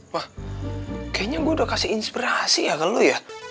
wah kayaknya gue udah kasih inspirasi ya kalau lo ya